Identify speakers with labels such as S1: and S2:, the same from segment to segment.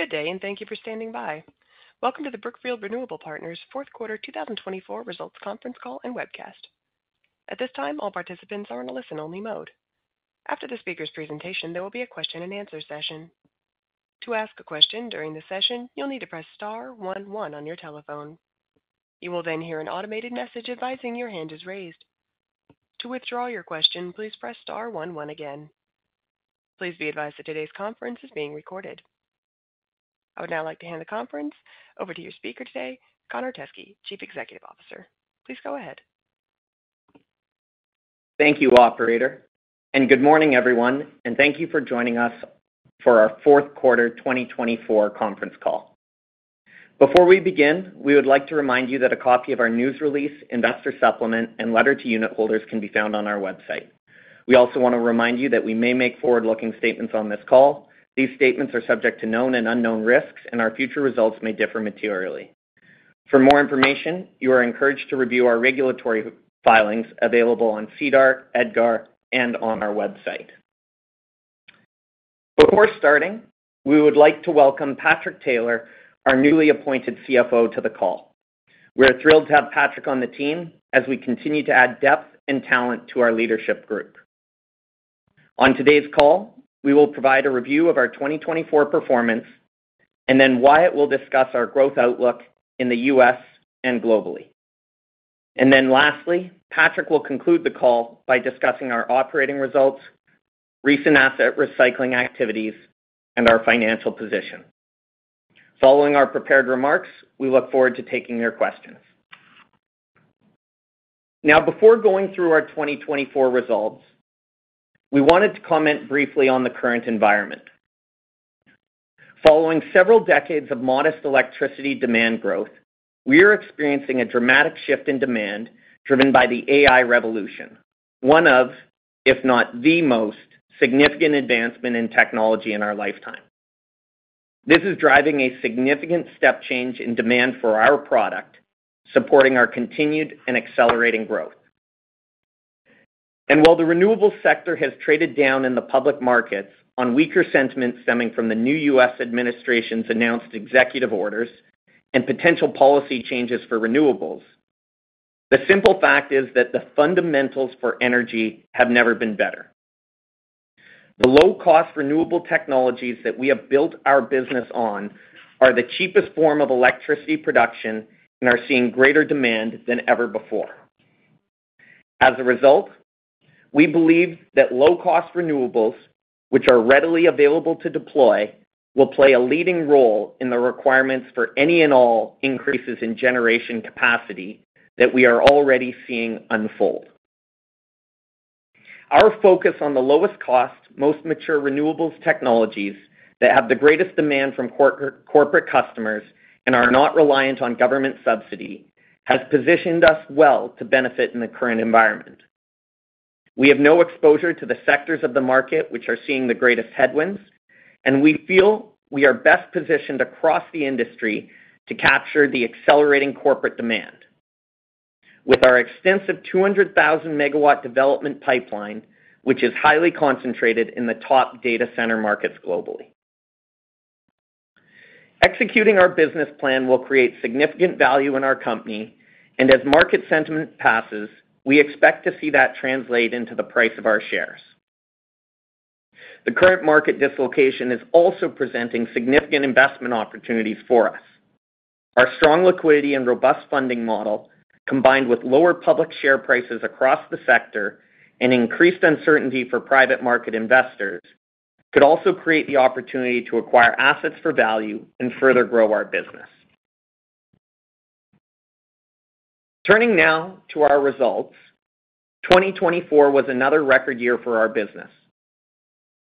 S1: Good day, and thank you for standing by. Welcome to the Brookfield Renewable Partners' fourth quarter 2024 results conference call and webcast. At this time, all participants are in a listen-only mode. After the speaker's presentation, there will be a question and answer session. To ask a question during the session, you'll need to press star one one on your telephone. You will then hear an automated message advising your hand is raised. To withdraw your question, please press star one one again. Please be advised that today's conference is being recorded. I would now like to hand the conference over to your speaker today, Connor Teskey, Chief Executive Officer. Please go ahead.
S2: Thank you, Operator, and good morning, everyone, and thank you for joining us for our fourth quarter 2024 conference call. Before we begin, we would like to remind you that a copy of our news release, investor supplement, and letter to unitholders can be found on our website. We also want to remind you that we may make forward-looking statements on this call. These statements are subject to known and unknown risks, and our future results may differ materially. For more information, you are encouraged to review our regulatory filings available on SEDAR, EDGAR, and on our website. Before starting, we would like to welcome Patrick Taylor, our newly appointed CFO, to the call. We are thrilled to have Patrick on the team as we continue to add depth and talent to our leadership group. On today's call, we will provide a review of our 2024 performance and then Wyatt will discuss our growth outlook in the U.S. and globally, and then lastly, Patrick will conclude the call by discussing our operating results, recent asset recycling activities, and our financial position. Following our prepared remarks, we look forward to taking your questions. Now, before going through our 2024 results, we wanted to comment briefly on the current environment. Following several decades of modest electricity demand growth, we are experiencing a dramatic shift in demand driven by the AI revolution, one of, if not the most, significant advancements in technology in our lifetime. This is driving a significant step change in demand for our product, supporting our continued and accelerating growth, and while the renewables sector has traded down in the public markets on weaker sentiment stemming from the new U.S. administration's announced executive orders and potential policy changes for renewables, the simple fact is that the fundamentals for energy have never been better. The low-cost renewable technologies that we have built our business on are the cheapest form of electricity production and are seeing greater demand than ever before. As a result, we believe that low-cost renewables, which are readily available to deploy, will play a leading role in the requirements for any and all increases in generation capacity that we are already seeing unfold. Our focus on the lowest-cost, most mature renewables technologies that have the greatest demand from corporate customers and are not reliant on government subsidy has positioned us well to benefit in the current environment. We have no exposure to the sectors of the market which are seeing the greatest headwinds, and we feel we are best positioned across the industry to capture the accelerating corporate demand with our extensive 200,000-MW development pipeline, which is highly concentrated in the top data center markets globally. Executing our business plan will create significant value in our company, and as market sentiment passes, we expect to see that translate into the price of our shares. The current market dislocation is also presenting significant investment opportunities for us. Our strong liquidity and robust funding model, combined with lower public share prices across the sector and increased uncertainty for private market investors, could also create the opportunity to acquire assets for value and further grow our business. Turning now to our results, 2024 was another record year for our business.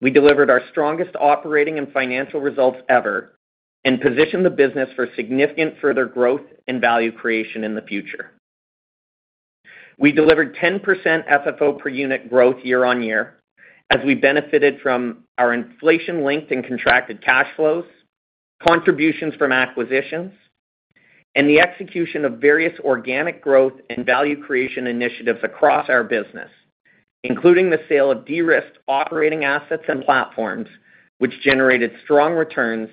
S2: We delivered our strongest operating and financial results ever and positioned the business for significant further growth and value creation in the future. We delivered 10% FFO per unit growth year-on-year as we benefited from our inflation-linked and contracted cash flows, contributions from acquisitions, and the execution of various organic growth and value creation initiatives across our business, including the sale of de-risked operating assets and platforms, which generated strong returns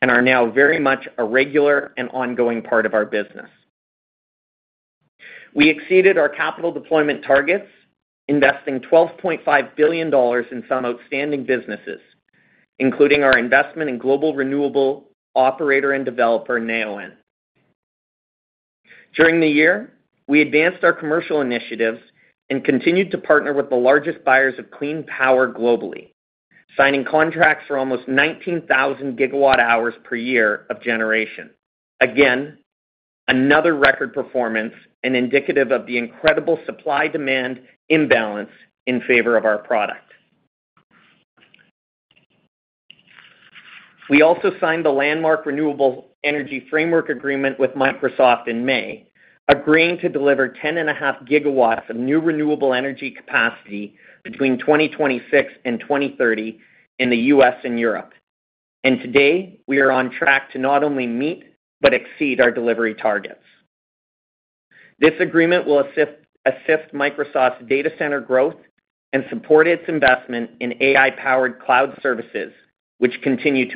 S2: and are now very much a regular and ongoing part of our business. We exceeded our capital deployment targets, investing $12.5 billion in some outstanding businesses, including our investment in global renewable operator and developer, Neoen. During the year, we advanced our commercial initiatives and continued to partner with the largest buyers of clean power globally, signing contracts for almost 19,000 GWh per year of generation. Again, another record performance and indicative of the incredible supply-demand imbalance in favor of our product. We also signed the Landmark Renewable Energy Framework Agreement with Microsoft in May, agreeing to deliver 10.5 GW of new renewable energy capacity between 2026 and 2030 in the U.S. and Europe. And today, we are on track to not only meet but exceed our delivery targets. This agreement will assist Microsoft's data center growth and support its investment in AI-powered cloud services, which continue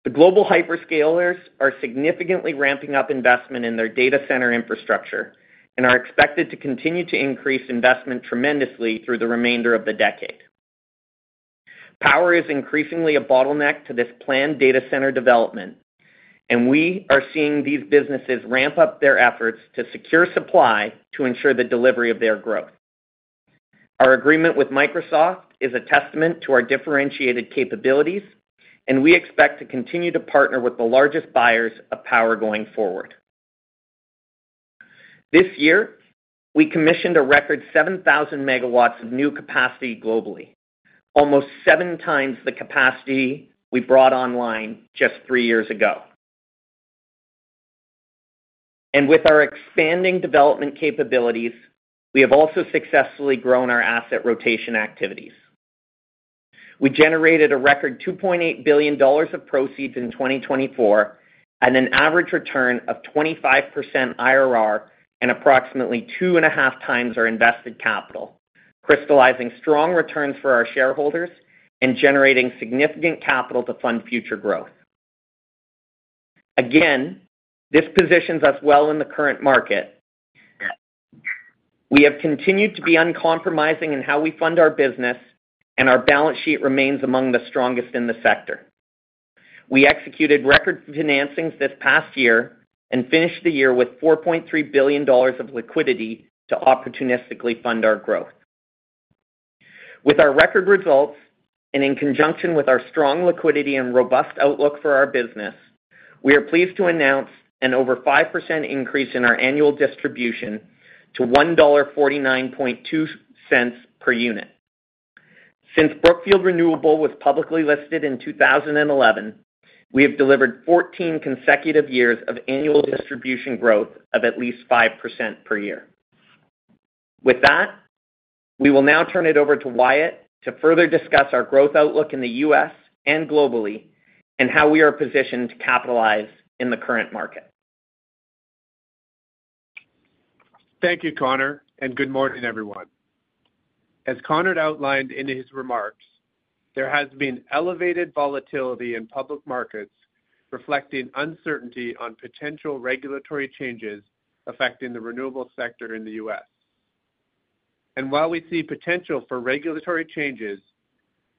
S2: to accelerate. The global hyperscalers are significantly ramping up investment in their data center infrastructure and are expected to continue to increase investment tremendously through the remainder of the decade. Power is increasingly a bottleneck to this planned data center development, and we are seeing these businesses ramp up their efforts to secure supply to ensure the delivery of their growth. Our agreement with Microsoft is a testament to our differentiated capabilities, and we expect to continue to partner with the largest buyers of power going forward. This year, we commissioned a record 7,000 MW of new capacity globally, almost seven times the capacity we brought online just three years ago. And with our expanding development capabilities, we have also successfully grown our asset rotation activities. We generated a record $2.8 billion of proceeds in 2024 and an average return of 25% IRR and approximately two and a half times our invested capital, crystallizing strong returns for our shareholders and generating significant capital to fund future growth. Again, this positions us well in the current market. We have continued to be uncompromising in how we fund our business, and our balance sheet remains among the strongest in the sector. We executed record financings this past year and finished the year with $4.3 billion of liquidity to opportunistically fund our growth. With our record results and in conjunction with our strong liquidity and robust outlook for our business, we are pleased to announce an over 5% increase in our annual distribution to $1.492 per unit. Since Brookfield Renewable was publicly listed in 2011, we have delivered 14 consecutive years of annual distribution growth of at least 5% per year. With that, we will now turn it over to Wyatt to further discuss our growth outlook in the U.S. and globally and how we are positioned to capitalize in the current market.
S3: Thank you, Connor, and good morning, everyone. As Connor outlined in his remarks, there has been elevated volatility in public markets reflecting uncertainty on potential regulatory changes affecting the renewable sector in the U.S., and while we see potential for regulatory changes,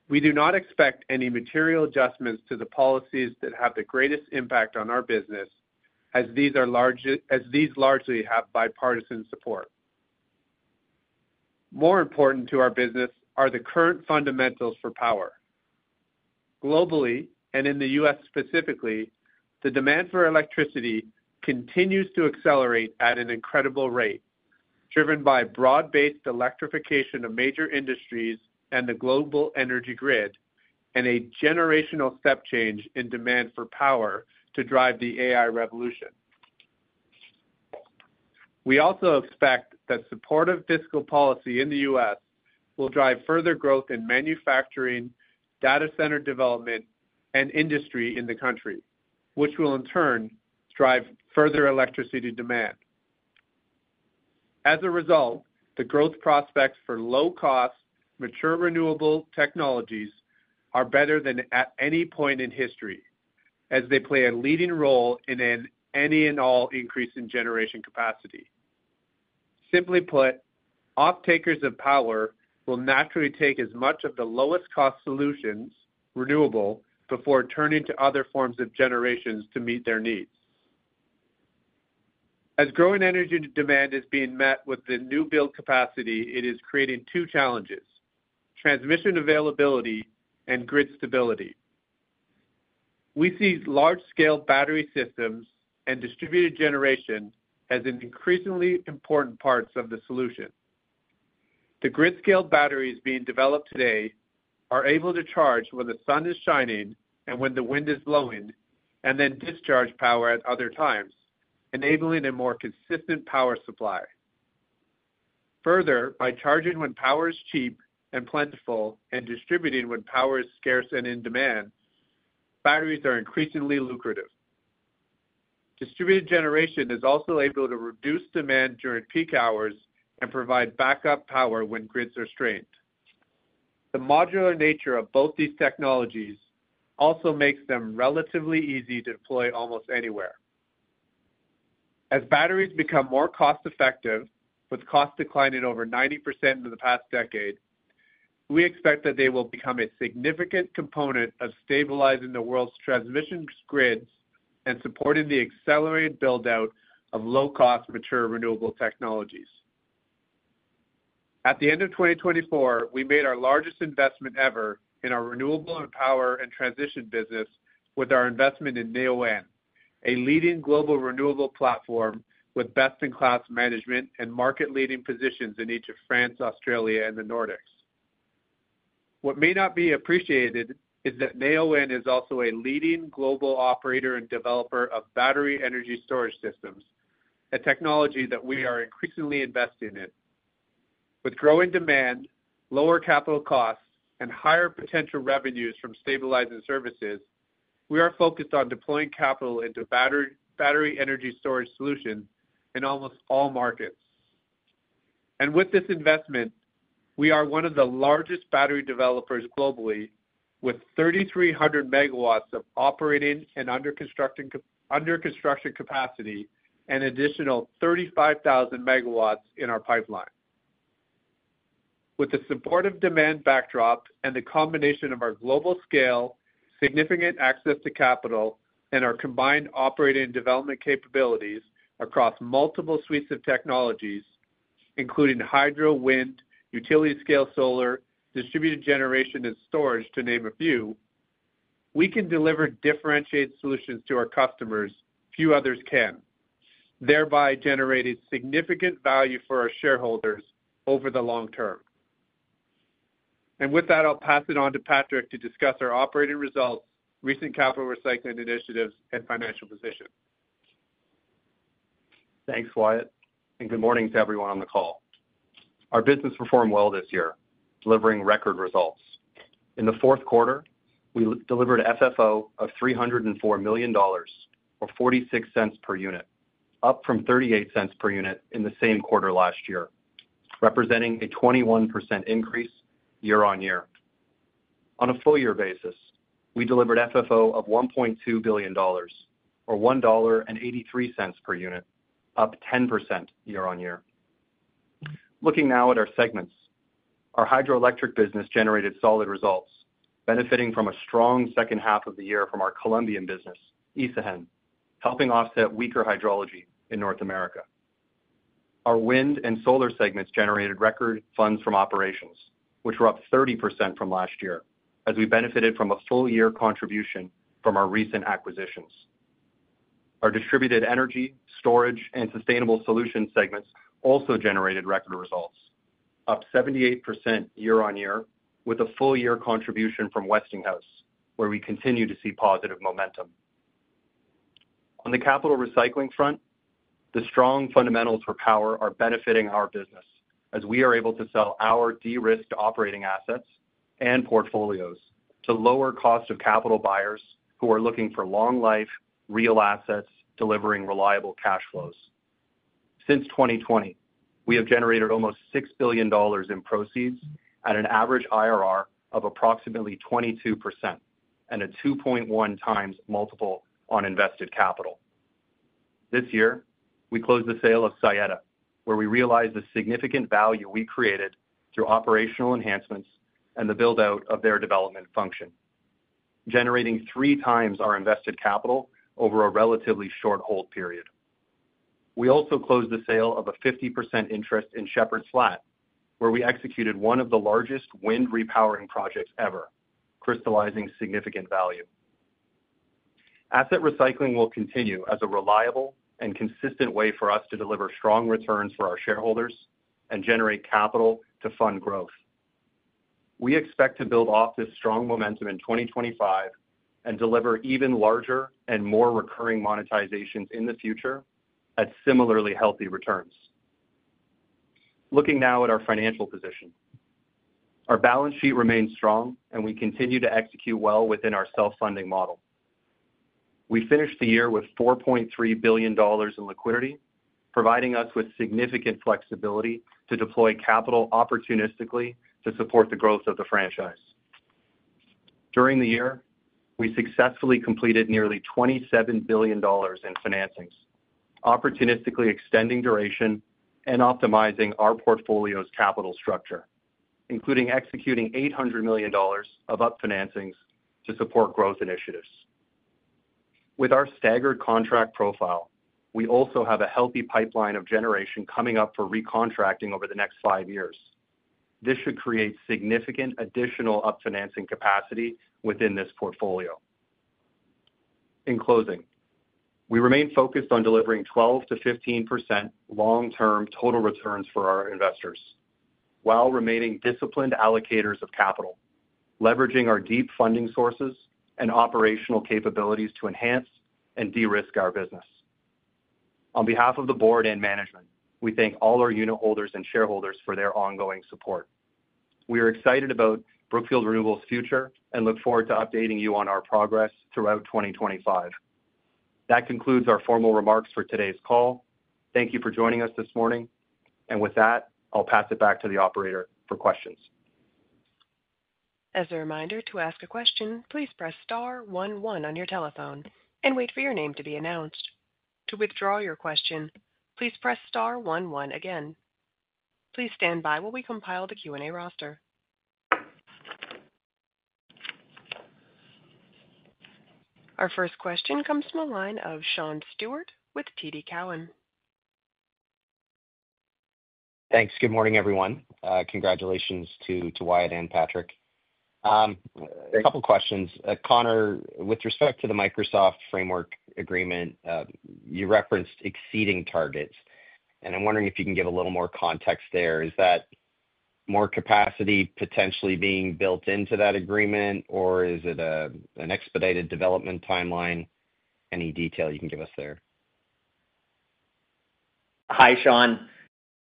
S3: we do not expect any material adjustments to the policies that have the greatest impact on our business, as these largely have bipartisan support. More important to our business are the current fundamentals for power. Globally, and in the U.S. specifically, the demand for electricity continues to accelerate at an incredible rate, driven by broad-based electrification of major industries and the global energy grid, and a generational step change in demand for power to drive the AI revolution. We also expect that supportive fiscal policy in the U.S. will drive further growth in manufacturing, data center development, and industry in the country, which will in turn drive further electricity demand. As a result, the growth prospects for low-cost, mature renewable technologies are better than at any point in history, as they play a leading role in any and all increases in generation capacity. Simply put, off-takers of power will naturally take as much of the lowest-cost solutions, renewable, before turning to other forms of generation to meet their needs. As growing energy demand is being met with the new build capacity, it is creating two challenges: transmission availability and grid stability. We see large-scale battery systems and distributed generation as increasingly important parts of the solution. The grid-scale batteries being developed today are able to charge when the sun is shining and when the wind is blowing and then discharge power at other times, enabling a more consistent power supply. Further, by charging when power is cheap and plentiful and distributing when power is scarce and in demand, batteries are increasingly lucrative. Distributed generation is also able to reduce demand during peak hours and provide backup power when grids are strained. The modular nature of both these technologies also makes them relatively easy to deploy almost anywhere. As batteries become more cost-effective, with costs declining over 90% in the past decade, we expect that they will become a significant component of stabilizing the world's transmission grids and supporting the accelerated build-out of low-cost, mature renewable technologies. At the end of 2024, we made our largest investment ever in our renewable power and transition business with our investment in Neoen, a leading global renewable platform with best-in-class management and market-leading positions in each of France, Australia, and the Nordics. What may not be appreciated is that Neoen is also a leading global operator and developer of battery energy storage systems, a technology that we are increasingly investing in. With growing demand, lower capital costs, and higher potential revenues from stabilizing services, we are focused on deploying capital into battery energy storage solutions in almost all markets, and with this investment, we are one of the largest battery developers globally, with 3,300 MW of operating and under-construction capacity and an additional 35,000 MW in our pipeline. With the supportive demand backdrop and the combination of our global scale, significant access to capital, and our combined operating and development capabilities across multiple suites of technologies, including hydro, wind, utility-scale solar, distributed generation, and storage, to name a few, we can deliver differentiated solutions to our customers few others can, thereby generating significant value for our shareholders over the long term, and with that, I'll pass it on to Patrick to discuss our operating results, recent capital recycling initiatives, and financial position.
S4: Thanks, Wyatt, and good morning to everyone on the call. Our business performed well this year, delivering record results. In the fourth quarter, we delivered FFO of $304 million, or $0.46 per unit, up from $0.38 per unit in the same quarter last year, representing a 21% increase year-on-year. On a full-year basis, we delivered FFO of $1.2 billion, or $1.83 per unit, up 10% year-on-year. Looking now at our segments, our hydroelectric business generated solid results, benefiting from a strong second half of the year from our Colombian business, Isagen, helping offset weaker hydrology in North America. Our wind and solar segments generated record funds from operations, which were up 30% from last year, as we benefited from a full-year contribution from our recent acquisitions. Our distributed energy, storage, and sustainable solutions segments also generated record results, up 78% year-on-year, with a full-year contribution from Westinghouse, where we continue to see positive momentum. On the capital recycling front, the strong fundamentals for power are benefiting our business, as we are able to sell our de-risked operating assets and portfolios to lower-cost capital buyers who are looking for long-life, real assets delivering reliable cash flows. Since 2020, we have generated almost $6 billion in proceeds at an average IRR of approximately 22% and a 2.1 times multiple on invested capital. This year, we closed the sale of Saeta, where we realized the significant value we created through operational enhancements and the build-out of their development function, generating three times our invested capital over a relatively short hold period. We also closed the sale of a 50% interest in Shepherds Flat, where we executed one of the largest wind repowering projects ever, crystallizing significant value. Asset recycling will continue as a reliable and consistent way for us to deliver strong returns for our shareholders and generate capital to fund growth. We expect to build off this strong momentum in 2025 and deliver even larger and more recurring monetizations in the future at similarly healthy returns. Looking now at our financial position, our balance sheet remains strong, and we continue to execute well within our self-funding model. We finished the year with $4.3 billion in liquidity, providing us with significant flexibility to deploy capital opportunistically to support the growth of the franchise. During the year, we successfully completed nearly $27 billion in financings, opportunistically extending duration and optimizing our portfolio's capital structure, including executing $800 million of up-financings to support growth initiatives. With our staggered contract profile, we also have a healthy pipeline of generation coming up for recontracting over the next five years. This should create significant additional up-financing capacity within this portfolio. In closing, we remain focused on delivering 12%-15% long-term total returns for our investors while remaining disciplined allocators of capital, leveraging our deep funding sources and operational capabilities to enhance and de-risk our business. On behalf of the board and management, we thank all our unit holders and shareholders for their ongoing support. We are excited about Brookfield Renewable's future and look forward to updating you on our progress throughout 2025. That concludes our formal remarks for today's call. Thank you for joining us this morning. With that, I'll pass it back to the Operator for questions.
S1: As a reminder, to ask a question, please press star one one on your telephone and wait for your name to be announced. To withdraw your question, please press star one one again. Please stand by while we compile the Q&A roster. Our first question comes from a line of Sean Steuart with TD Cowen.
S5: Thanks. Good morning, everyone. Congratulations to Wyatt and Patrick. A couple of questions. Connor, with respect to the Microsoft Framework Agreement, you referenced exceeding targets. And I'm wondering if you can give a little more context there. Is that more capacity potentially being built into that agreement, or is it an expedited development timeline? Any detail you can give us there?
S2: Hi, Sean.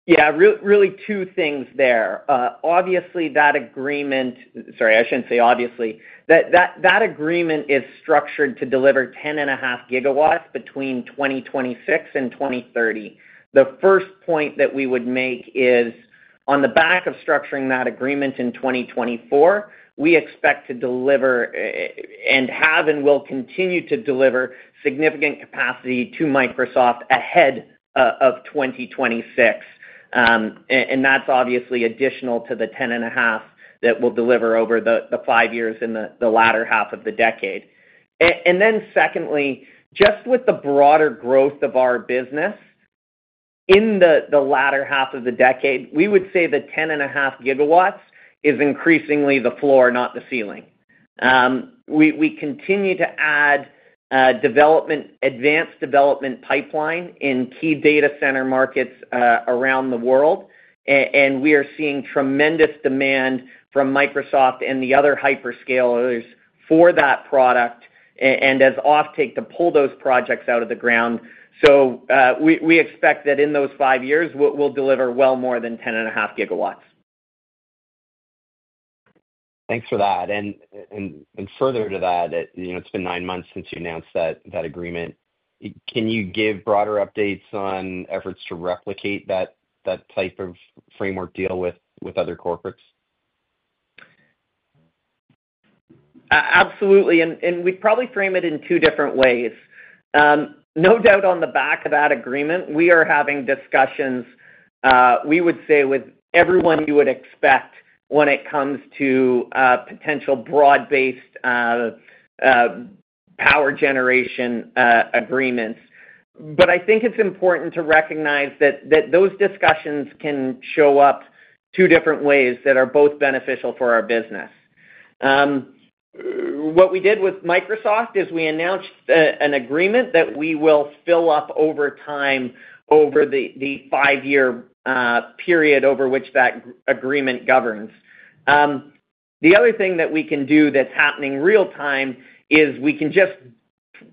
S2: Yeah, really two things there. Obviously, that agreement, sorry, I shouldn't say obviously. That agreement is structured to deliver 10.5 GW between 2026 and 2030. The first point that we would make is, on the back of structuring that agreement in 2024, we expect to deliver and have and will continue to deliver significant capacity to Microsoft ahead of 2026, and that's obviously additional to the 10.5 GW that we'll deliver over the five years in the latter half of the decade, and then secondly, just with the broader growth of our business in the latter half of the decade, we would say the 10.5 GW is increasingly the floor, not the ceiling. We continue to add advanced development pipeline in key data center markets around the world. And we are seeing tremendous demand from Microsoft and the other hyperscalers for that product and as off-take to pull those projects out of the ground. So we expect that in those five years, we'll deliver well more than 10.5 GW.
S5: Thanks for that and further to that, it's been nine months since you announced that agreement. Can you give broader updates on efforts to replicate that type of framework deal with other corporates?
S2: Absolutely, and we'd probably frame it in two different ways. No doubt on the back of that agreement, we are having discussions, we would say, with everyone you would expect when it comes to potential broad-based power generation agreements, but I think it's important to recognize that those discussions can show up two different ways that are both beneficial for our business. What we did with Microsoft is we announced an agreement that we will fill up over time over the five-year period over which that agreement governs. The other thing that we can do that's happening real-time is we can just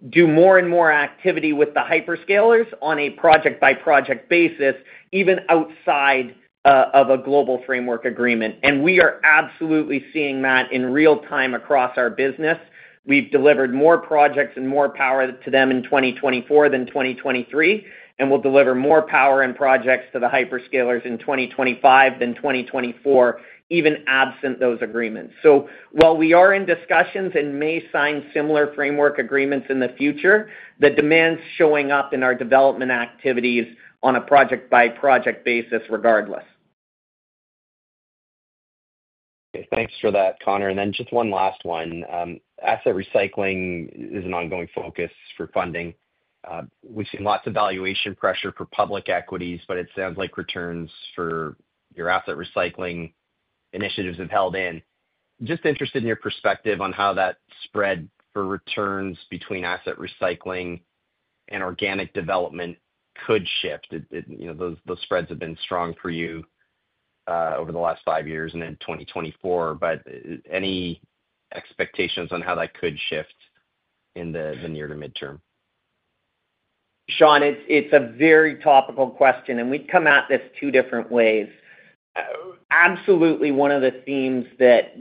S2: do more and more activity with the hyperscalers on a project-by-project basis, even outside of a global framework agreement, and we are absolutely seeing that in real-time across our business. We've delivered more projects and more power to them in 2024 than 2023, and we'll deliver more power and projects to the hyperscalers in 2025 than 2024, even absent those agreements. So while we are in discussions and may sign similar framework agreements in the future, the demand's showing up in our development activities on a project-by-project basis regardless.
S5: Okay. Thanks for that, Connor. And then just one last one. Asset recycling is an ongoing focus for funding. We've seen lots of valuation pressure for public equities, but it sounds like returns for your asset recycling initiatives have held in. Just interested in your perspective on how that spread for returns between asset recycling and organic development could shift. Those spreads have been strong for you over the last five years and in 2024. But any expectations on how that could shift in the near to midterm?
S2: Sean, it's a very topical question, and we've come at this two different ways. Absolutely, one of the themes that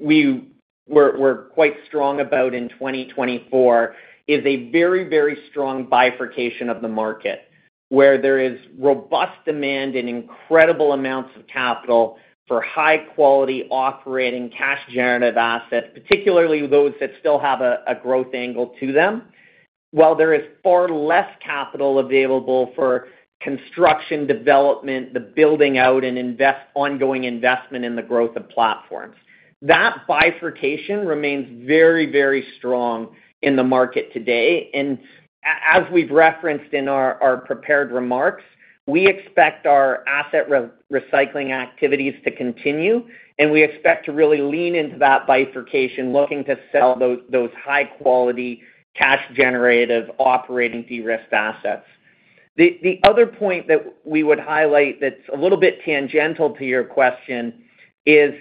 S2: we were quite strong about in 2024 is a very, very strong bifurcation of the market, where there is robust demand and incredible amounts of capital for high-quality operating cash-generative assets, particularly those that still have a growth angle to them, while there is far less capital available for construction, development, the building out, and ongoing investment in the growth of platforms. That bifurcation remains very, very strong in the market today, and as we've referenced in our prepared remarks, we expect our asset recycling activities to continue, and we expect to really lean into that bifurcation, looking to sell those high-quality cash-generative operating de-risked assets. The other point that we would highlight that's a little bit tangential to your question is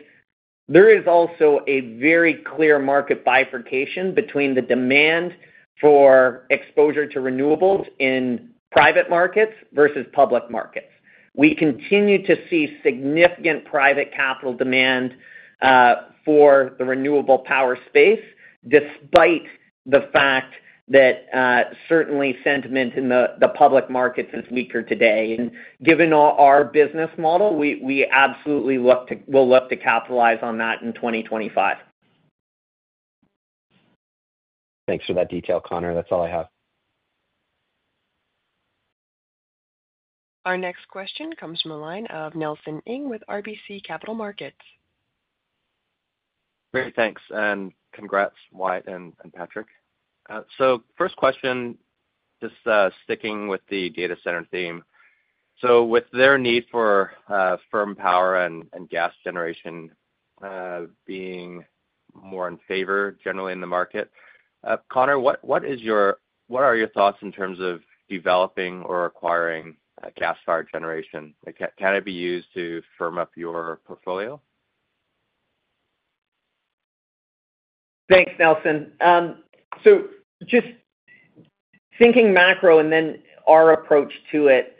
S2: there is also a very clear market bifurcation between the demand for exposure to renewables in private markets versus public markets. We continue to see significant private capital demand for the renewable power space, despite the fact that certainly sentiment in the public markets is weaker today. And given our business model, we absolutely will look to capitalize on that in 2025.
S5: Thanks for that detail, Connor. That's all I have.
S1: Our next question comes from a line of Nelson Ng with RBC Capital Markets.
S6: Great. Thanks. And congrats, Wyatt and Patrick. So first question, just sticking with the data center theme. So with their need for firm power and gas generation being more in favor generally in the market, Connor, what are your thoughts in terms of developing or acquiring gas-powered generation? Can it be used to firm up your portfolio?
S2: Thanks, Nelson. So just thinking macro and then our approach to it,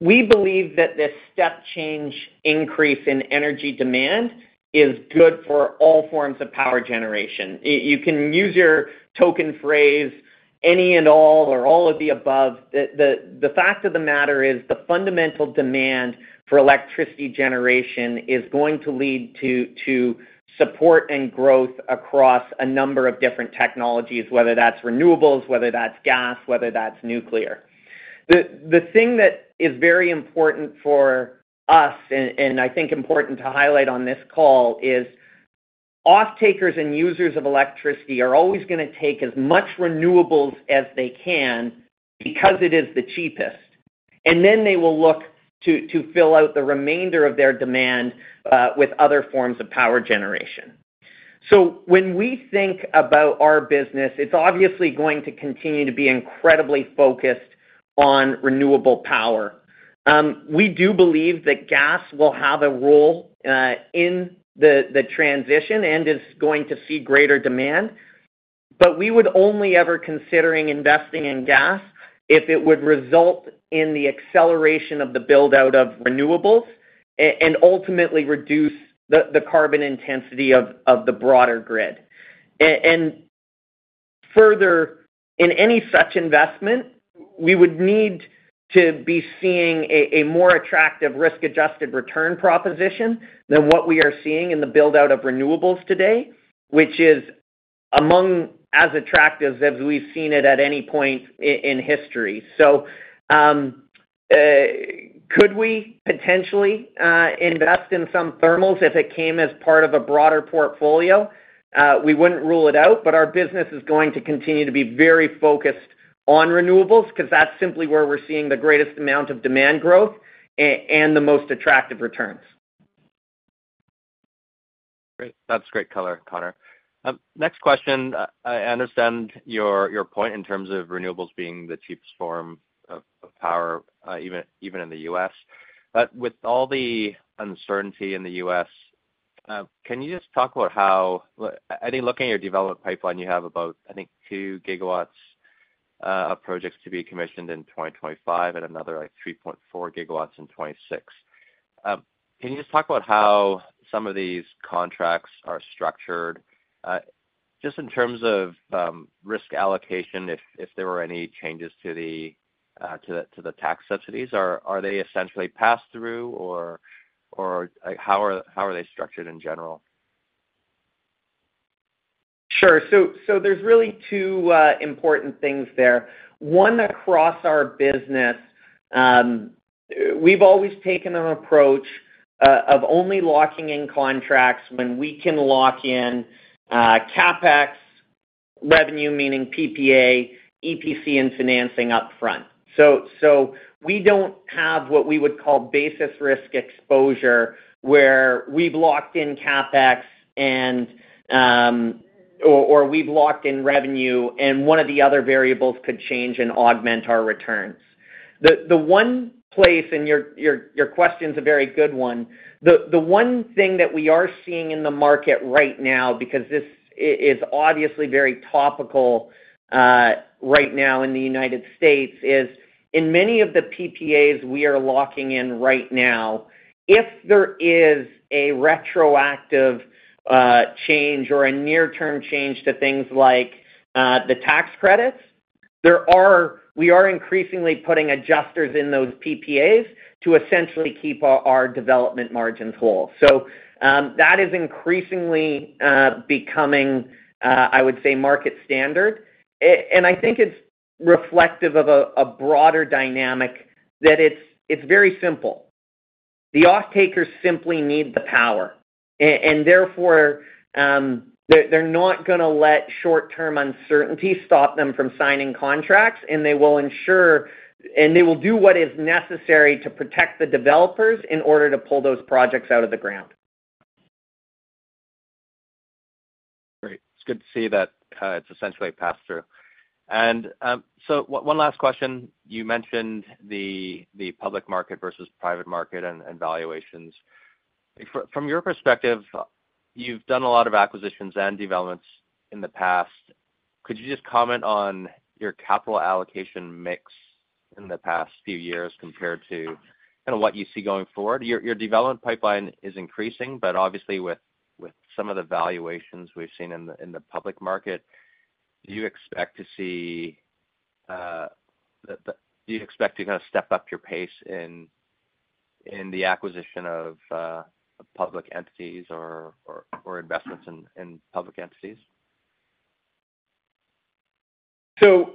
S2: we believe that this step-change increase in energy demand is good for all forms of power generation. You can use your token phrase, any and all or all of the above. The fact of the matter is the fundamental demand for electricity generation is going to lead to support and growth across a number of different technologies, whether that's renewables, whether that's gas, whether that's nuclear. The thing that is very important for us, and I think important to highlight on this call, is off-takers and users of electricity are always going to take as much renewables as they can because it is the cheapest. And then they will look to fill out the remainder of their demand with other forms of power generation. So when we think about our business, it's obviously going to continue to be incredibly focused on renewable power. We do believe that gas will have a role in the transition and is going to see greater demand. But we would only ever consider investing in gas if it would result in the acceleration of the build-out of renewables and ultimately reduce the carbon intensity of the broader grid. And further, in any such investment, we would need to be seeing a more attractive risk-adjusted return proposition than what we are seeing in the build-out of renewables today, which is among as attractive as we've seen it at any point in history. So could we potentially invest in some thermals if it came as part of a broader portfolio? We wouldn't rule it out, but our business is going to continue to be very focused on renewables because that's simply where we're seeing the greatest amount of demand growth and the most attractive returns.
S6: Great. That's great color, Connor. Next question. I understand your point in terms of renewables being the cheapest form of power, even in the U.S. But with all the uncertainty in the U.S., can you just talk about how, I think looking at your development pipeline, you have about, I think, 2 GW of projects to be commissioned in 2025 and another 3.4 GW in 2026. Can you just talk about how some of these contracts are structured just in terms of risk allocation, if there were any changes to the tax subsidies? Are they essentially passed through, or how are they structured in general?
S2: Sure. So there's really two important things there. One, across our business, we've always taken an approach of only locking in contracts when we can lock in CapEx, revenue, meaning PPA, EPC, and financing upfront. So we don't have what we would call basis risk exposure where we've locked in CapEx or we've locked in revenue, and one of the other variables could change and augment our returns. The one place, and your question's a very good one, the one thing that we are seeing in the market right now, because this is obviously very topical right now in the United States, is in many of the PPAs we are locking in right now, if there is a retroactive change or a near-term change to things like the tax credits, we are increasingly putting adjusters in those PPAs to essentially keep our development margins whole. So that is increasingly becoming, I would say, market standard. And I think it's reflective of a broader dynamic that it's very simple. The off-takers simply need the power. And therefore, they're not going to let short-term uncertainty stop them from signing contracts, and they will ensure and they will do what is necessary to protect the developers in order to pull those projects out of the ground.
S6: Great. It's good to see that it's essentially passed through, and so one last question. You mentioned the public market versus private market and valuations. From your perspective, you've done a lot of acquisitions and developments in the past. Could you just comment on your capital allocation mix in the past few years compared to kind of what you see going forward? Your development pipeline is increasing, but obviously, with some of the valuations we've seen in the public market, do you expect to kind of step up your pace in the acquisition of public entities or investments in public entities?
S2: So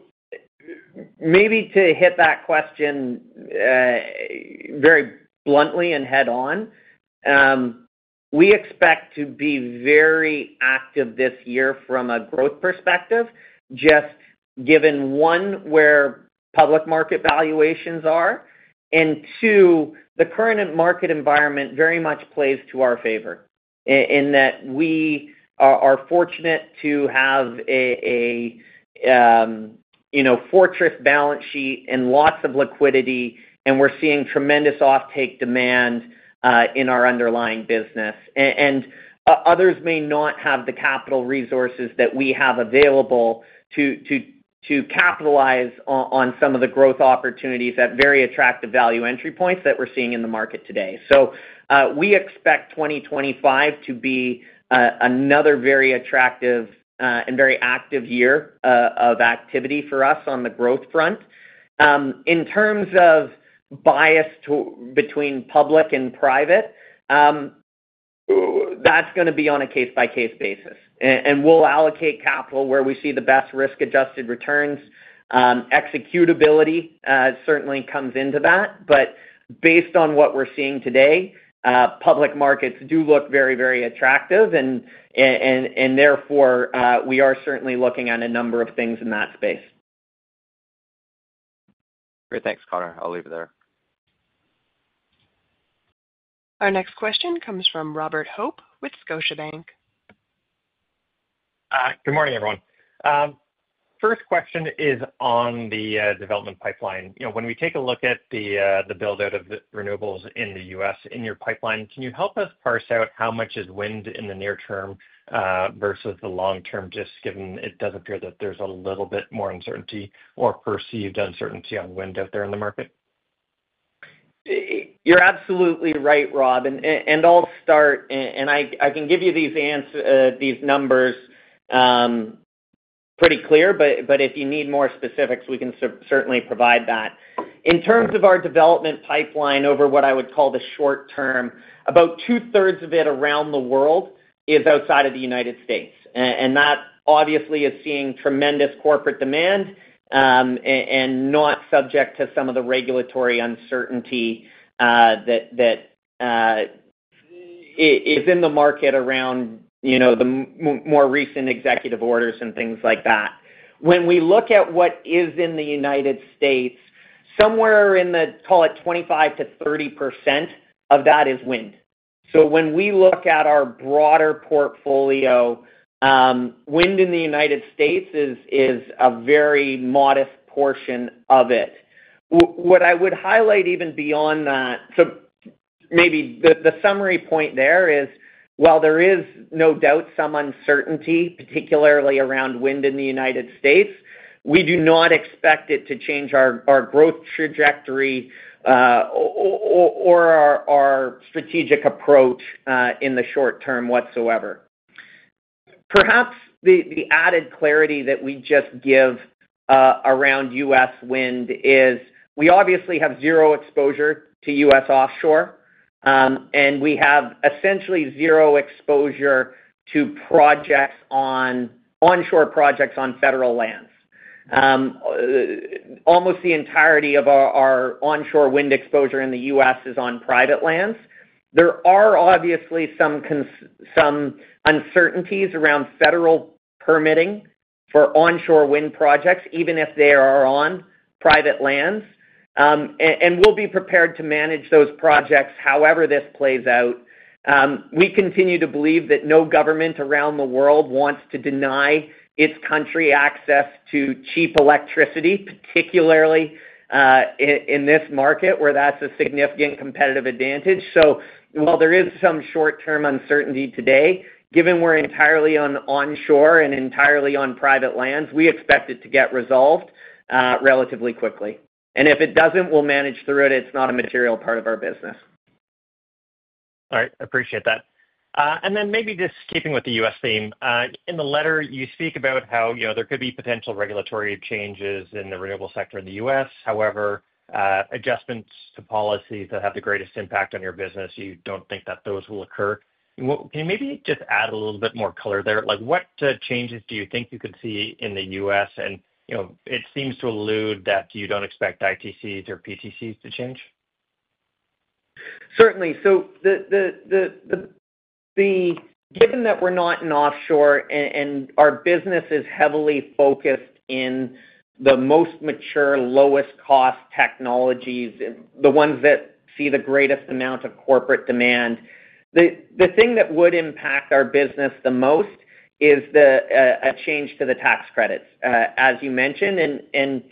S2: maybe to hit that question very bluntly and head-on, we expect to be very active this year from a growth perspective, just given one, where public market valuations are, and two, the current market environment very much plays to our favor in that we are fortunate to have a fortress balance sheet and lots of liquidity, and we're seeing tremendous off-take demand in our underlying business. And others may not have the capital resources that we have available to capitalize on some of the growth opportunities at very attractive value entry points that we're seeing in the market today. So we expect 2025 to be another very attractive and very active year of activity for us on the growth front. In terms of bias between public and private, that's going to be on a case-by-case basis. And we'll allocate capital where we see the best risk-adjusted returns. Executability certainly comes into that. But based on what we're seeing today, public markets do look very, very attractive, and therefore, we are certainly looking at a number of things in that space.
S6: Great. Thanks, Connor. I'll leave it there.
S1: Our next question comes from Robert Hope with Scotiabank.
S7: Good morning, everyone. First question is on the development pipeline. When we take a look at the build-out of renewables in the U.S., in your pipeline, can you help us parse out how much is wind in the near term versus the long term, just given it does appear that there's a little bit more uncertainty or perceived uncertainty on wind out there in the market?
S2: You're absolutely right, Rob. And I'll start, and I can give you these numbers pretty clear, but if you need more specifics, we can certainly provide that. In terms of our development pipeline over what I would call the short term, about 2/3 of it around the world is outside of the United States. And that obviously is seeing tremendous corporate demand and not subject to some of the regulatory uncertainty that is in the market around the more recent executive orders and things like that. When we look at what is in the United States, somewhere in the, call it 25%-30% of that is wind. So when we look at our broader portfolio, wind in the United States is a very modest portion of it. What I would highlight even beyond that, so maybe the summary point there is, while there is no doubt some uncertainty, particularly around wind in the United States, we do not expect it to change our growth trajectory or our strategic approach in the short term whatsoever. Perhaps the added clarity that we just give around U.S. wind is we obviously have zero exposure to U.S. offshore, and we have essentially zero exposure to onshore projects on federal lands. Almost the entirety of our onshore wind exposure in the U.S. is on private lands. There are obviously some uncertainties around federal permitting for onshore wind projects, even if they are on private lands, and we'll be prepared to manage those projects however this plays out. We continue to believe that no government around the world wants to deny its country access to cheap electricity, particularly in this market where that's a significant competitive advantage, so while there is some short-term uncertainty today, given we're entirely on onshore and entirely on private lands, we expect it to get resolved relatively quickly, and if it doesn't, we'll manage through it. It's not a material part of our business.
S7: All right. I appreciate that. And then maybe just keeping with the U.S. theme, in the letter, you speak about how there could be potential regulatory changes in the renewable sector in the U.S. However, adjustments to policies that have the greatest impact on your business, you don't think that those will occur. Can you maybe just add a little bit more color there? What changes do you think you could see in the U.S.? And it seems to allude that you don't expect ITCs or PTCs to change.
S2: Certainly, so given that we're not in offshore and our business is heavily focused in the most mature, lowest-cost technologies, the ones that see the greatest amount of corporate demand, the thing that would impact our business the most is a change to the tax credits, as you mentioned, and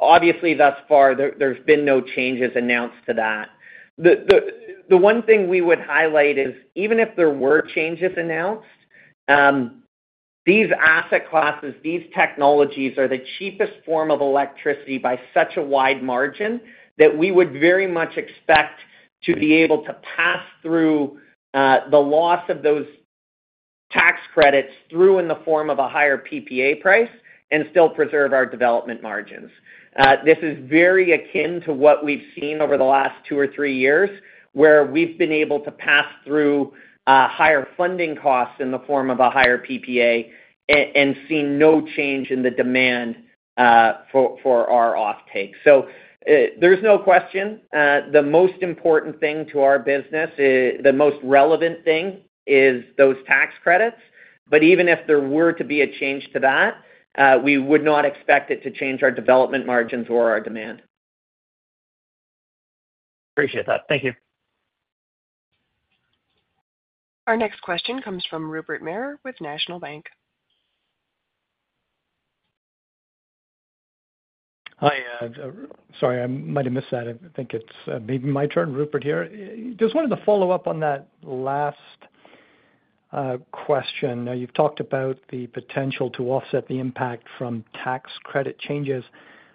S2: obviously, thus far, there's been no changes announced to that. The one thing we would highlight is, even if there were changes announced, these asset classes, these technologies are the cheapest form of electricity by such a wide margin that we would very much expect to be able to pass through the loss of those tax credits through in the form of a higher PPA price and still preserve our development margins. This is very akin to what we've seen over the last two or three years where we've been able to pass through higher funding costs in the form of a higher PPA and see no change in the demand for our off-take. So there's no question. The most important thing to our business, the most relevant thing, is those tax credits. But even if there were to be a change to that, we would not expect it to change our development margins or our demand.
S7: Appreciate that. Thank you.
S1: Our next question comes from Rupert Merer with National Bank.
S8: Hi. Sorry, I might have missed that. I think it's maybe my turn, Rupert here. Just wanted to follow up on that last question. You've talked about the potential to offset the impact from tax credit changes.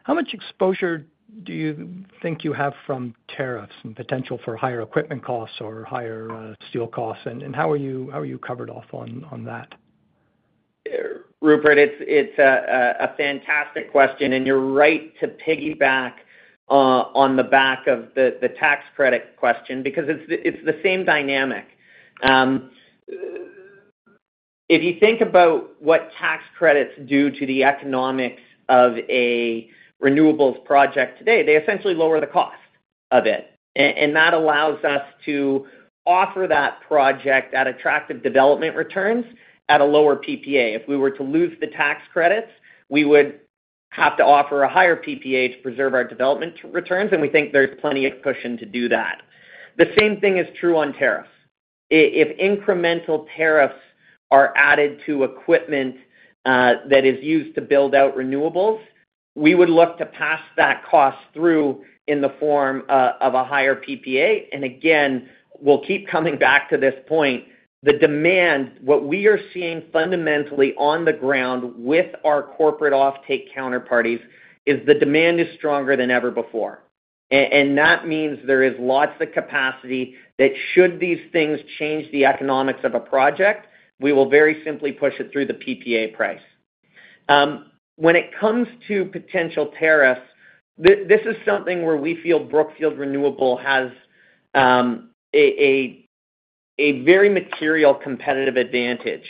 S8: How much exposure do you think you have from tariffs and potential for higher equipment costs or higher steel costs? And how are you covered off on that?
S2: Rupert, it's a fantastic question, and you're right to piggyback on the back of the tax credit question because it's the same dynamic. If you think about what tax credits do to the economics of a renewables project today, they essentially lower the cost of it, and that allows us to offer that project at attractive development returns at a lower PPA. If we were to lose the tax credits, we would have to offer a higher PPA to preserve our development returns, and we think there's plenty of cushion to do that. The same thing is true on tariffs. If incremental tariffs are added to equipment that is used to build out renewables, we would look to pass that cost through in the form of a higher PPA, and again, we'll keep coming back to this point. The demand, what we are seeing fundamentally on the ground with our corporate off-take counterparties, is the demand is stronger than ever before, and that means there is lots of capacity that should these things change the economics of a project, we will very simply push it through the PPA price. When it comes to potential tariffs, this is something where we feel Brookfield Renewable has a very material competitive advantage.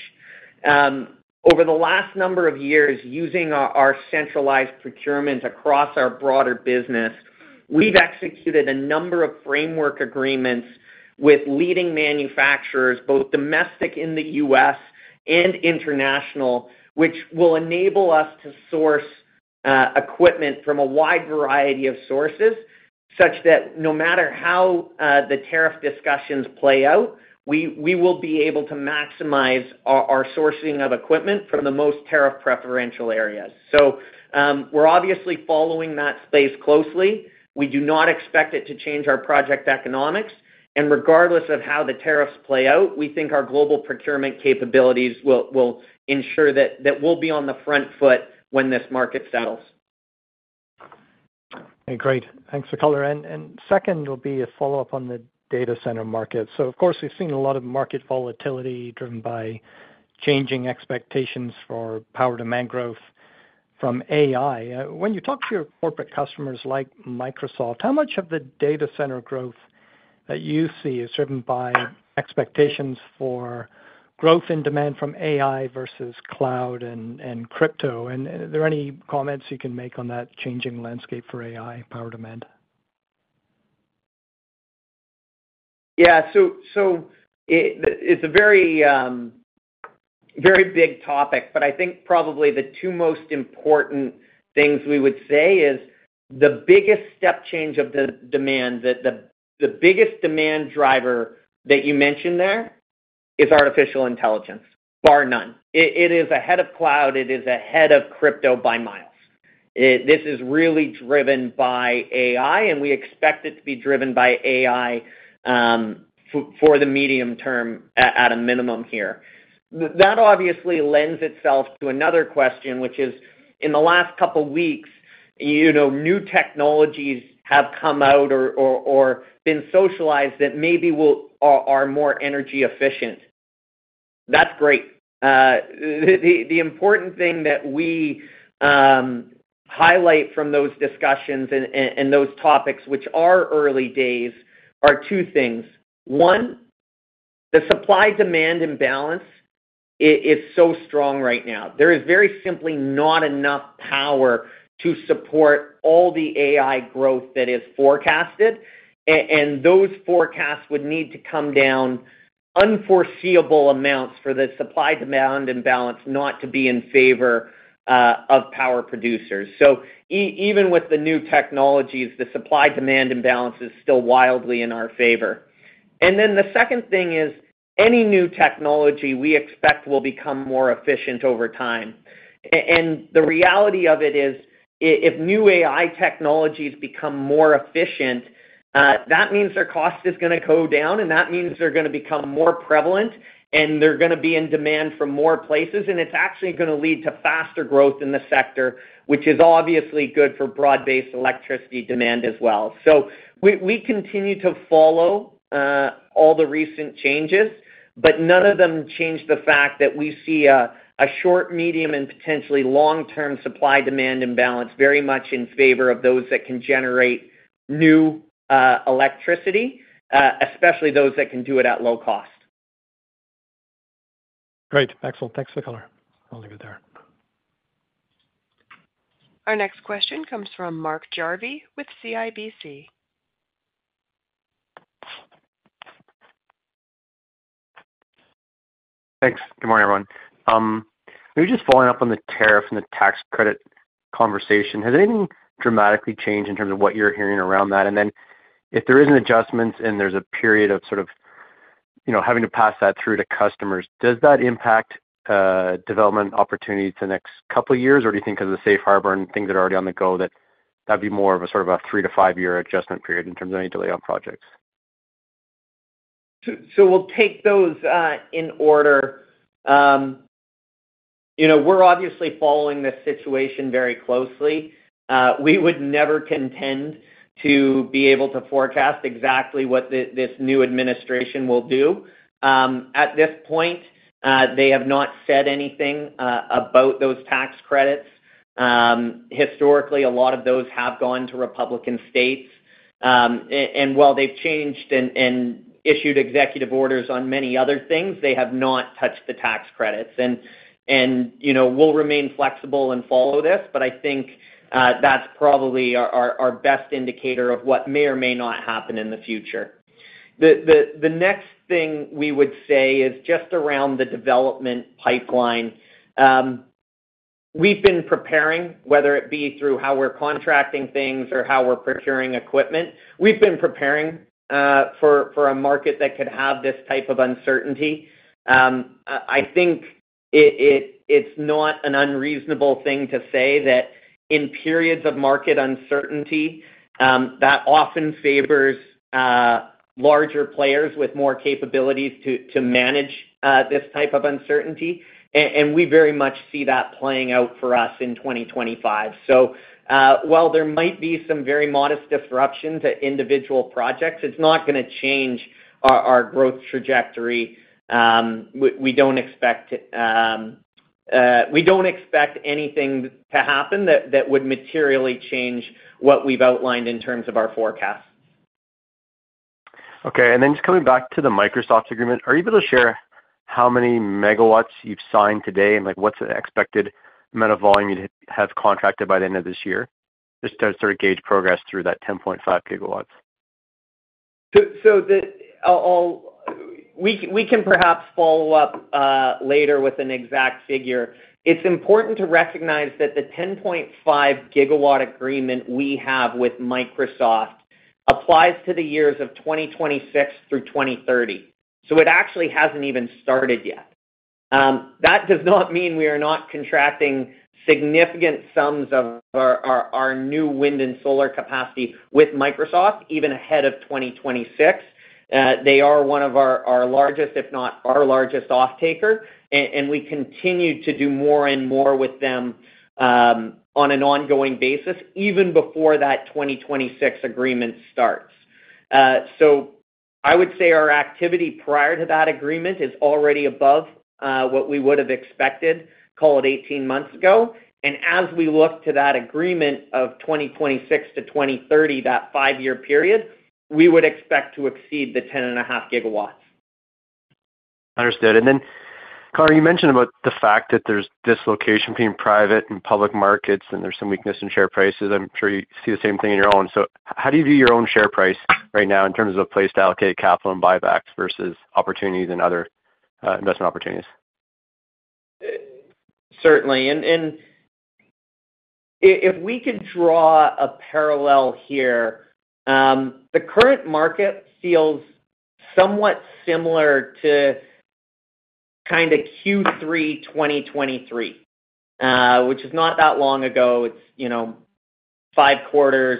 S2: Over the last number of years, using our centralized procurement across our broader business, we've executed a number of framework agreements with leading manufacturers, both domestic in the U.S. and international, which will enable us to source equipment from a wide variety of sources such that no matter how the tariff discussions play out, we will be able to maximize our sourcing of equipment from the most tariff-preferential areas, so we're obviously following that space closely. We do not expect it to change our project economics. And regardless of how the tariffs play out, we think our global procurement capabilities will ensure that we'll be on the front foot when this market settles.
S8: Okay. Great. Thanks for the color. And second will be a follow-up on the data center market. So of course, we've seen a lot of market volatility driven by changing expectations for power demand growth from AI. When you talk to your corporate customers like Microsoft, how much of the data center growth that you see is driven by expectations for growth in demand from AI versus cloud and crypto? And are there any comments you can make on that changing landscape for AI power demand?
S2: Yeah. So it's a very big topic, but I think probably the two most important things we would say is the biggest step change of the demand, the biggest demand driver that you mentioned there is artificial intelligence, bar none. It is ahead of cloud. It is ahead of crypto by miles. This is really driven by AI, and we expect it to be driven by AI for the medium term at a minimum here. That obviously lends itself to another question, which is, in the last couple of weeks, new technologies have come out or been socialized that maybe are more energy efficient. That's great. The important thing that we highlight from those discussions and those topics, which are early days, are two things. One, the supply-demand imbalance is so strong right now. There is very simply not enough power to support all the AI growth that is forecasted. And those forecasts would need to come down unforeseeable amounts for the supply-demand imbalance not to be in favor of power producers. So even with the new technologies, the supply-demand imbalance is still wildly in our favor. And then the second thing is any new technology we expect will become more efficient over time. And the reality of it is if new AI technologies become more efficient, that means their cost is going to go down, and that means they're going to become more prevalent, and they're going to be in demand from more places. And it's actually going to lead to faster growth in the sector, which is obviously good for broad-based electricity demand as well. We continue to follow all the recent changes, but none of them change the fact that we see a short, medium, and potentially long-term supply-demand imbalance very much in favor of those that can generate new electricity, especially those that can do it at low cost.
S8: Great. Excellent. Thanks for the color. I'll leave it there.
S1: Our next question comes from Mark Jarvi with CIBC.
S9: Thanks. Good morning, everyone. We were just following up on the tariffs and the tax credit conversation. Has anything dramatically changed in terms of what you're hearing around that? And then if there is an adjustment and there's a period of sort of having to pass that through to customers, does that impact development opportunities the next couple of years, or do you think because of the safe harbor and things that are already on the go that that would be more of a sort of a three-to-five-year adjustment period in terms of any delay on projects?
S2: So we'll take those in order. We're obviously following this situation very closely. We would never contend to be able to forecast exactly what this new administration will do. At this point, they have not said anything about those tax credits. Historically, a lot of those have gone to Republican states. And while they've changed and issued executive orders on many other things, they have not touched the tax credits. And we'll remain flexible and follow this, but I think that's probably our best indicator of what may or may not happen in the future. The next thing we would say is just around the development pipeline. We've been preparing, whether it be through how we're contracting things or how we're procuring equipment, we've been preparing for a market that could have this type of uncertainty. I think it's not an unreasonable thing to say that in periods of market uncertainty, that often favors larger players with more capabilities to manage this type of uncertainty. And we very much see that playing out for us in 2025. So while there might be some very modest disruption to individual projects, it's not going to change our growth trajectory. We don't expect anything to happen that would materially change what we've outlined in terms of our forecasts.
S9: Okay. And then just coming back to the Microsoft agreement, are you able to share how many megawatts you've signed today and what's the expected amount of volume you have contracted by the end of this year just to sort of gauge progress through that 10.5 GW?
S2: So we can perhaps follow up later with an exact figure. It's important to recognize that the 10.5-GW agreement we have with Microsoft applies to the years of 2026 through 2030. So it actually hasn't even started yet. That does not mean we are not contracting significant sums of our new wind and solar capacity with Microsoft even ahead of 2026. They are one of our largest, if not our largest off-taker. And we continue to do more and more with them on an ongoing basis even before that 2026 agreement starts. So I would say our activity prior to that agreement is already above what we would have expected 18 months ago. And as we look to that agreement of 2026 to 2030, that five-year period, we would expect to exceed the 10.5 GW.
S9: Understood. And then, Connor, you mentioned about the fact that there's dislocation between private and public markets, and there's some weakness in share prices. I'm sure you see the same thing in your own. So how do you view your own share price right now in terms of a place to allocate capital and buybacks versus opportunities and other investment opportunities?
S2: Certainly. And if we could draw a parallel here, the current market feels somewhat similar to kind of Q3 2023, which is not that long ago. It's five quarters,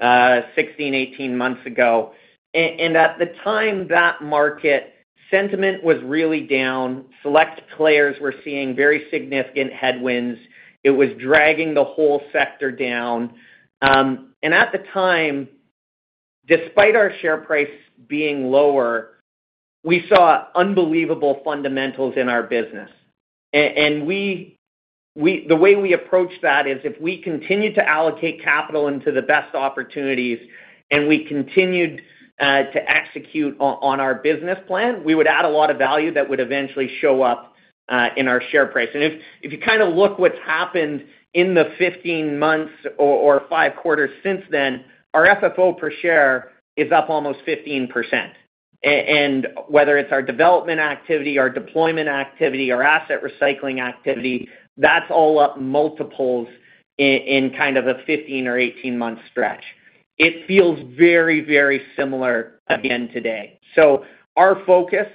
S2: 16, 18 months ago. And at the time, that market sentiment was really down. Select players were seeing very significant headwinds. It was dragging the whole sector down. And at the time, despite our share price being lower, we saw unbelievable fundamentals in our business. And the way we approach that is if we continue to allocate capital into the best opportunities and we continued to execute on our business plan, we would add a lot of value that would eventually show up in our share price. And if you kind of look at what's happened in the 15 months or five quarters since then, our FFO per share is up almost 15%. Whether it's our development activity, our deployment activity, or asset recycling activity, that's all up multiples in kind of a 15- or 18-month stretch. It feels very, very similar again today. Our focus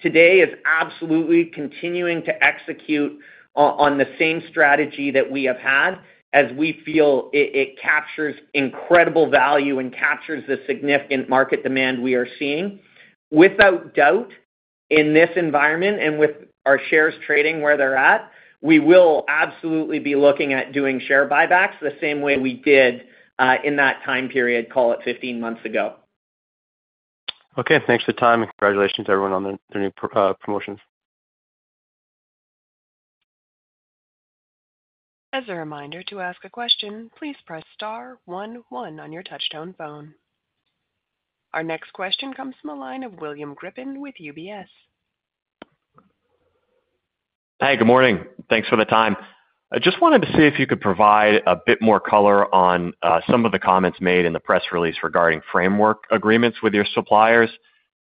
S2: today is absolutely continuing to execute on the same strategy that we have had as we feel it captures incredible value and captures the significant market demand we are seeing. Without doubt, in this environment and with our shares trading where they're at, we will absolutely be looking at doing share buybacks the same way we did in that time period, call it 15 months ago.
S9: Okay. Thanks for the time. And congratulations to everyone on their new promotions.
S1: As a reminder to ask a question, please press star one one on your touch-tone phone. Our next question comes from a line of William Grippin with UBS.
S10: Hi. Good morning. Thanks for the time. I just wanted to see if you could provide a bit more color on some of the comments made in the press release regarding framework agreements with your suppliers.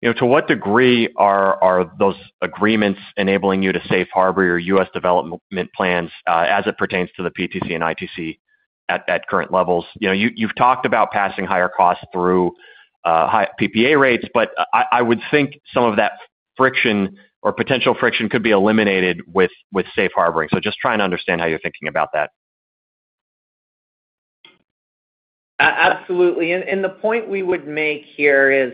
S10: To what degree are those agreements enabling you to safe harbor your U.S. development plans as it pertains to the PTC and ITC at current levels? You've talked about passing higher costs through PPA rates, but I would think some of that friction or potential friction could be eliminated with safe harboring. So just trying to understand how you're thinking about that.
S2: Absolutely. And the point we would make here is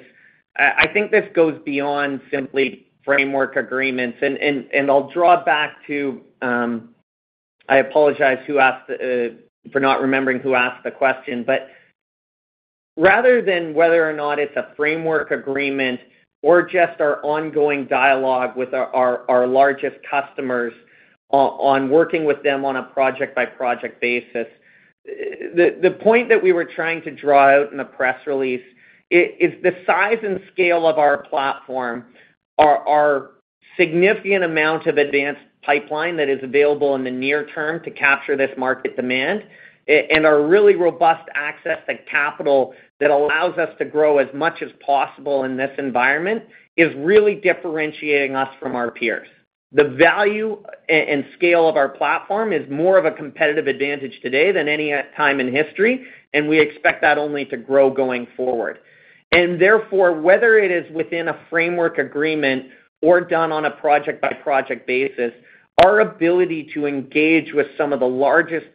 S2: I think this goes beyond simply framework agreements. And I'll draw back to, I apologize for not remembering who asked the question, but rather than whether or not it's a framework agreement or just our ongoing dialogue with our largest customers on working with them on a project-by-project basis, the point that we were trying to draw out in the press release is the size and scale of our platform, our significant amount of advanced pipeline that is available in the near term to capture this market demand, and our really robust access to capital that allows us to grow as much as possible in this environment is really differentiating us from our peers. The value and scale of our platform is more of a competitive advantage today than any time in history, and we expect that only to grow going forward. Therefore, whether it is within a framework agreement or done on a project-by-project basis, our ability to engage with some of the largest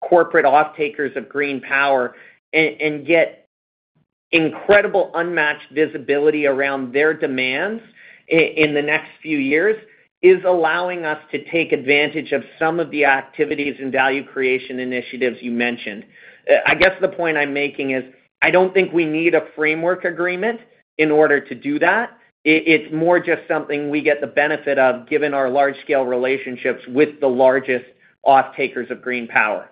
S2: corporate off-takers of green power and get incredible unmatched visibility around their demands in the next few years is allowing us to take advantage of some of the activities and value creation initiatives you mentioned. I guess the point I'm making is I don't think we need a framework agreement in order to do that. It's more just something we get the benefit of given our large-scale relationships with the largest off-takers of green power.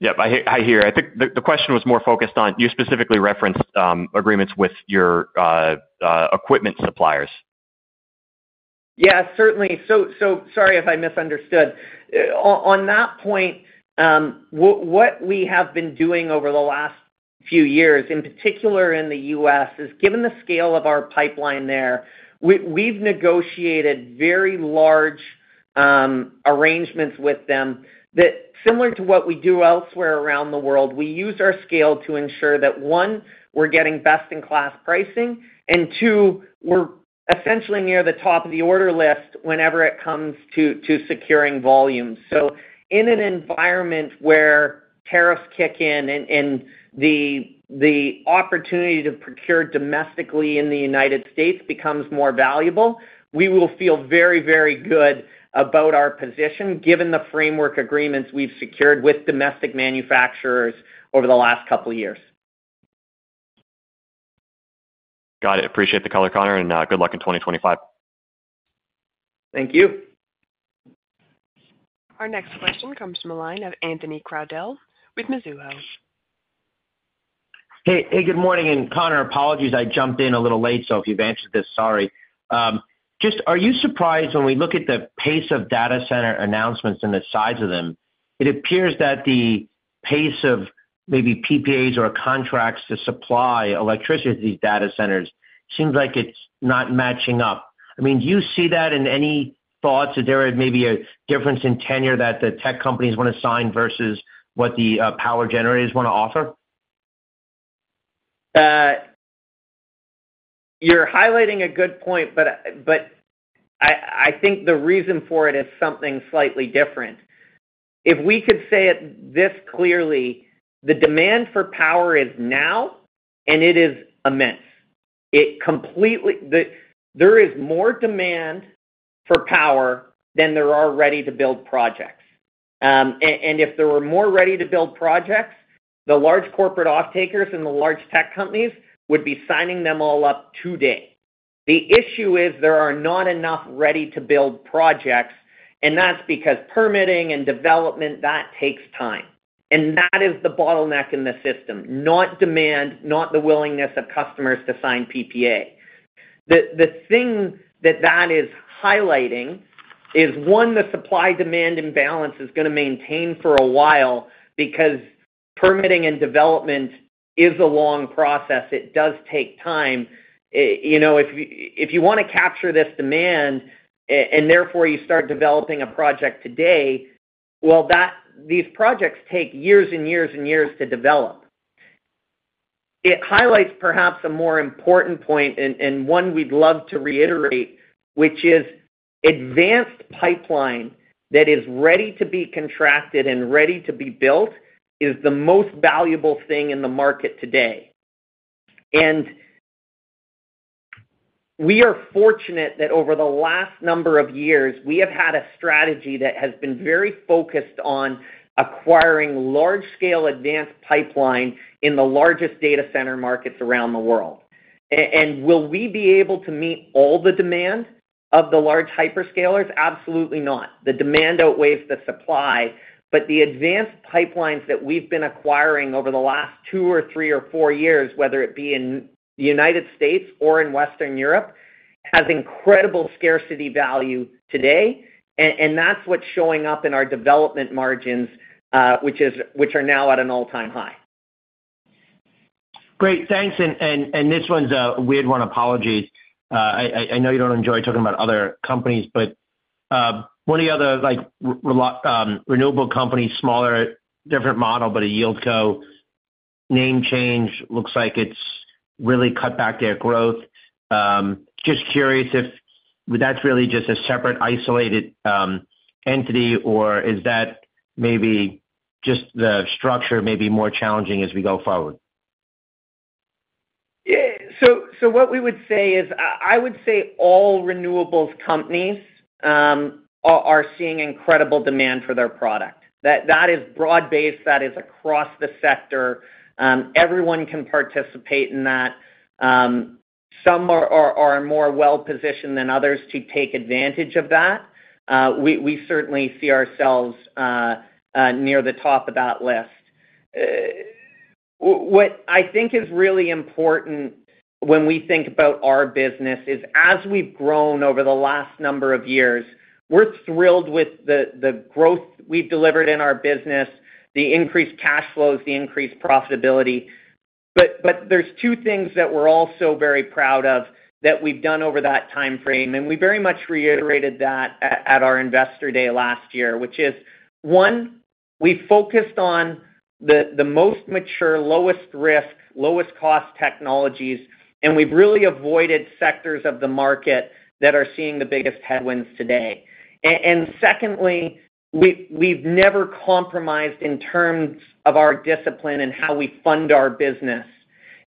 S10: Yep. I hear. I think the question was more focused on you specifically referenced agreements with your equipment suppliers.
S2: Yeah. Certainly. So sorry if I misunderstood. On that point, what we have been doing over the last few years, in particular in the U.S., is given the scale of our pipeline there, we've negotiated very large arrangements with them that, similar to what we do elsewhere around the world, we use our scale to ensure that, one, we're getting best-in-class pricing, and two, we're essentially near the top of the order list whenever it comes to securing volumes. So in an environment where tariffs kick in and the opportunity to procure domestically in the United States becomes more valuable, we will feel very, very good about our position given the framework agreements we've secured with domestic manufacturers over the last couple of years.
S10: Got it. Appreciate the color, Connor, and good luck in 2025.
S2: Thank you.
S1: Our next question comes from a line of Anthony Crowdell with Mizuho.
S11: Hey. Good morning. And Connor, apologies. I jumped in a little late, so if you've answered this, sorry. Just, are you surprised when we look at the pace of data center announcements and the size of them? It appears that the pace of maybe PPAs or contracts to supply electricity to these data centers seems like it's not matching up. I mean, do you see that in any thoughts? Is there maybe a difference in tenure that the tech companies want to sign versus what the power generators want to offer?
S2: You're highlighting a good point, but I think the reason for it is something slightly different. If we could say it this clearly, the demand for power is now, and it is immense. There is more demand for power than there are ready-to-build projects. And if there were more ready-to-build projects, the large corporate off-takers and the large tech companies would be signing them all up today. The issue is there are not enough ready-to-build projects, and that's because permitting and development, that takes time. And that is the bottleneck in the system, not demand, not the willingness of customers to sign PPA. The thing that that is highlighting is, one, the supply-demand imbalance is going to maintain for a while because permitting and development is a long process. It does take time. If you want to capture this demand and therefore you start developing a project today, well, these projects take years and years and years to develop. It highlights perhaps a more important point and one we'd love to reiterate, which is advanced pipeline that is ready to be contracted and ready to be built is the most valuable thing in the market today. And we are fortunate that over the last number of years, we have had a strategy that has been very focused on acquiring large-scale advanced pipeline in the largest data center markets around the world. And will we be able to meet all the demand of the large hyperscalers? Absolutely not. The demand outweighs the supply. But the advanced pipelines that we've been acquiring over the last two or three or four years, whether it be in the United States or in Western Europe, have incredible scarcity value today. And that's what's showing up in our development margins, which are now at an all-time high.
S11: Great. Thanks. And this one's a weird one. Apologies. I know you don't enjoy talking about other companies, but one of the other renewable companies, smaller different model, but a yieldco name change. Looks like it's really cut back their growth. Just curious if that's really just a separate isolated entity, or is that maybe just the structure may be more challenging as we go forward?
S2: So, what we would say is, I would say all renewables companies are seeing incredible demand for their product. That is broad-based. That is across the sector. Everyone can participate in that. Some are more well-positioned than others to take advantage of that. We certainly see ourselves near the top of that list. What I think is really important when we think about our business is as we've grown over the last number of years, we're thrilled with the growth we've delivered in our business, the increased cash flows, the increased profitability. But there's two things that we're also very proud of that we've done over that time frame. And we very much reiterated that at our investor day last year, which is, one, we focused on the most mature, lowest risk, lowest cost technologies, and we've really avoided sectors of the market that are seeing the biggest headwinds today. And secondly, we've never compromised in terms of our discipline and how we fund our business.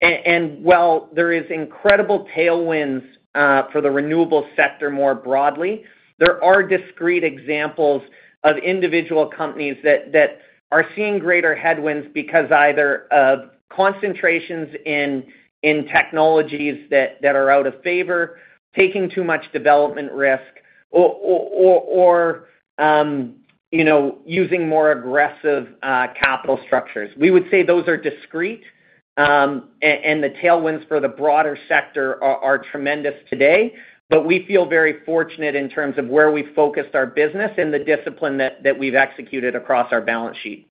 S2: And while there are incredible tailwinds for the renewable sector more broadly, there are discrete examples of individual companies that are seeing greater headwinds because either of concentrations in technologies that are out of favor, taking too much development risk, or using more aggressive capital structures. We would say those are discrete, and the tailwinds for the broader sector are tremendous today. But we feel very fortunate in terms of where we focused our business and the discipline that we've executed across our balance sheet.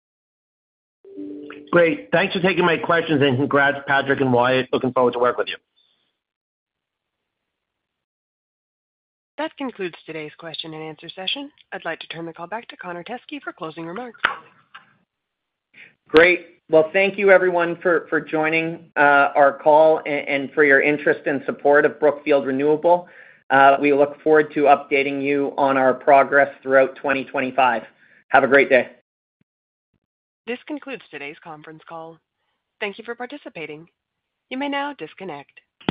S11: Great. Thanks for taking my questions, and congrats, Patrick and Wyatt. Looking forward to working with you.
S1: That concludes today's question and answer session. I'd like to turn the call back to Connor Teskey for closing remarks.
S2: Great. Well, thank you, everyone, for joining our call and for your interest and support of Brookfield Renewable. We look forward to updating you on our progress throughout 2025. Have a great day.
S1: This concludes today's conference call. Thank you for participating. You may now disconnect.